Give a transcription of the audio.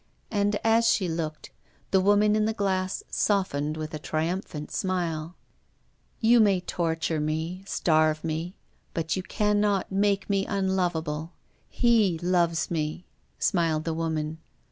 And, as she looked, the woman in the glass softened with a triumphant smile. " You may torture me, starve me, but you SI 4 THE STORY OF A MODERN WOMAN. cannot make me unlovable. He loves me !" smiled the woman.